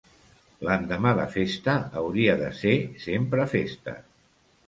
L'endemà de festa hauria de ser sempre festa.